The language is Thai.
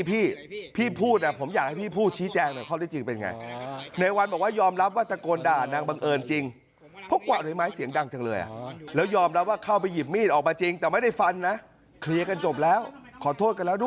พี่พูดผมอยากให้พี่พูดเชี่ยแจ้ง